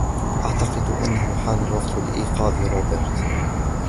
أعتقد أنهُ حان الوقت لإيقاظ روبِرت!